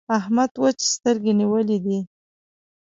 احمد وچې سترګې نيولې دي.